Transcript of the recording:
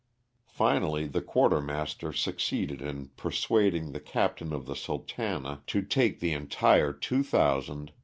Finally the quartermaster succeeded in persuading the captain of the ''Sultana" to take the 48 LOSS OF THE SULTANA.